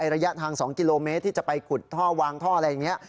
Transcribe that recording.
ระยะทาง๒กิโลเมตรที่จะไปขุดท่อวางท่ออะไรอย่างนี้